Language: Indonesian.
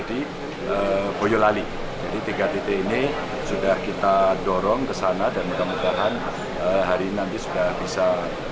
di boyolali jadi tiga titik ini sudah kita dorong kesana dan mudah mudahan hari nanti sudah bisa